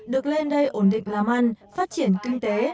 được lên đây ổn định làm ăn phát triển kinh tế